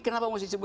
kenapa mau disini